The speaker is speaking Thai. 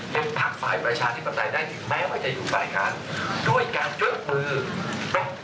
ยืดฝ่ายประชาธิปไตยได้ถึงแม้ว่าจะอยู่ฝ่ายคารด้วยการเจิดมือดอก